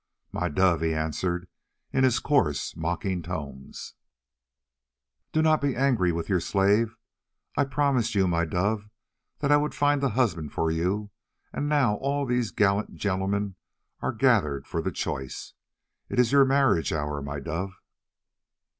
"My dove," he answered in his coarse, mocking tones, "do not be angry with your slave. I promised you, my dove, that I would find a husband for you, and now all these gallant gentlemen are gathered for the choice. It is your marriage hour, my dove."